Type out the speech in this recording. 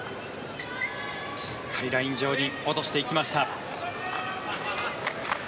しっかりライン上に落としていきました。